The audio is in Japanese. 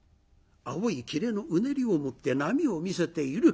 青いきれのうねりを持って波を見せている。